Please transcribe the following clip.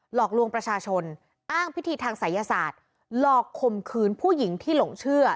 หลอกลวงประชาชนอ้างพิธีทางศัยศาสตร์หลอกข่มขืนผู้หญิงที่หลงเชื่อ